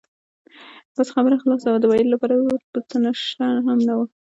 بس خبره خلاصه ده، د وېلو لپاره بل څه شته هم نه.